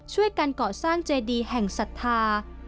ช่วยกันก่อสร้างเจดีย์แห่งศรัทธา